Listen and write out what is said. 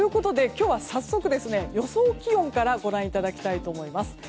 今日は早速予想気温からご覧いただきたいと思います。